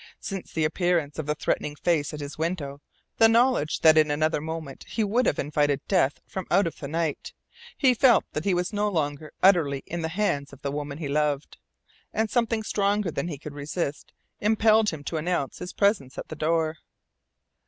Since the appearance of the threatening face at his window the knowledge that in another moment he would have invited death from out of the night he felt that he was no longer utterly in the hands of the woman he loved. And something stronger than he could resist impelled him to announce his presence at the door.